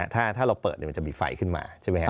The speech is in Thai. ถ้าเราเปิดมันจะมีไฟขึ้นมา